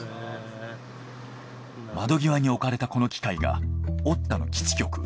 窓際に置かれたこの機械がｏｔｔａの基地局。